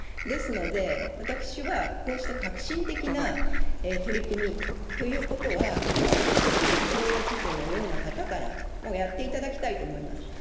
ですので、私は、こうした革新的な取り組みということは、もうぜひ、黒岩知事のような方から、やっていただきたいと思います。